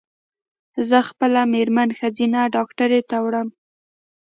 زه خپل مېرمن ښځېنه ډاکټري ته وړم